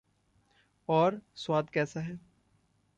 और स्वाद कैसा है?